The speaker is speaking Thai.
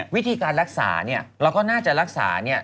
วิธีการรักษาเนี่ยเราก็น่าจะรักษาเนี่ย